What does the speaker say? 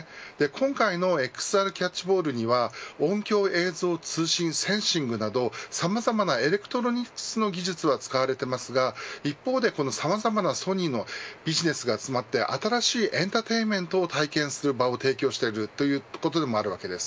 今回のＸＲキャッチボールには音響、映像、通信センシングなどさまざまなエレクトロニクスの技術を使われていますが一方でさまざまなソニーのビジネスが集まって新しいエンターテインメントを体験する場を提供していることでもあるわけです。